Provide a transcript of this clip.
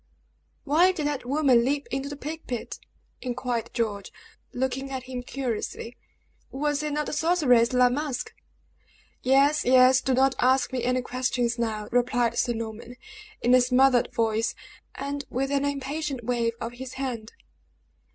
"Why did that woman leap into the plague pit?" inquired George, looking at him curiously. "Was it not the sorceress, La Masque?" "Yes, yes. Do not ask me any questions now," replied Sir Norman, in a smothered voice, and with an impatient wave of his hand.